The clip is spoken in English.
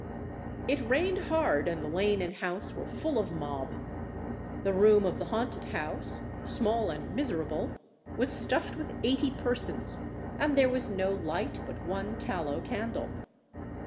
It rained hard, and the lane and house were "full of mob." The room of the haunted house, small and miserable, was stuffed with eighty persons, and there was no light but one tallow candle.